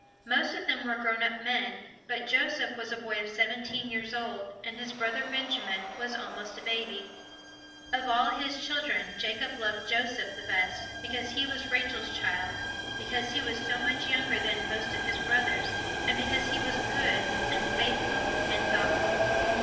Most of them were grown up men; but Joseph was a boy seventeen years old, and his brother Benjamin was almost a baby. [Illustration: Back to the Land of Canaan] Of all his children, Jacob loved Joseph the best, because he was Rachel's child; because he was so much younger than most of his brothers; and because he was good, and faithful, and thoughtful.